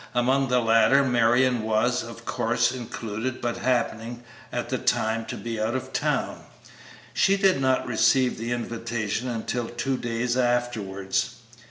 Among the latter Marion was, of course, included, but happening at the time to be out of town, she did not receive the invitation until two days afterwards.